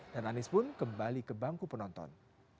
dan anies pun kembali ke bangku penonton